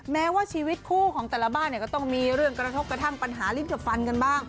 แม้ว่าชีวิตคู่ของแต่ละบ้านเนี่ยก็ต้องมีเรื่องกระทบกระทั่งปัญหาลิฟต์กับฟันกันบ้าง